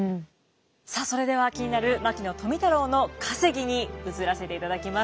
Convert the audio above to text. さあそれでは気になる牧野富太郎の稼ぎに移らせていただきます。